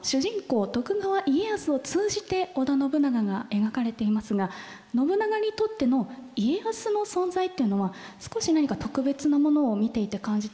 徳川家康を通じて織田信長が描かれていますが信長にとっての家康の存在っていうのは少し何か特別なものを見ていて感じたんですが。